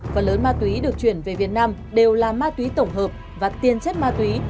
phần lớn ma túy được chuyển về việt nam đều là ma túy tổng hợp và tiền chất ma túy